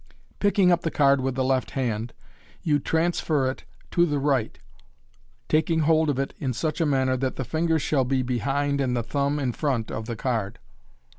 Picking up the card with the left hand, you transfer it to the right, taking hold of it in such manner that the fingers shall be be hind and the thumb in front of the card.